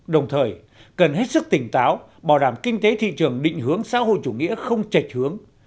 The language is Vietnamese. đồng thời cần hết sức tỉnh táo bảo đảm kinh tế thị trường định hướng xã hội chủ nghĩa không chệch hướng